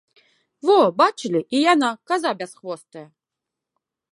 Во, бачылі, і яна, каза бясхвостая!